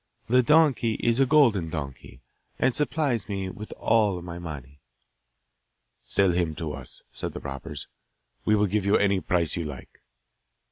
The donkey is a golden donkey, and supplies me with all my money.' 'Sell him to us,' said the robbers. 'We will give you any price you like.